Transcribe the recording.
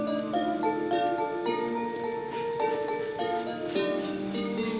jangan lupa joko tingkir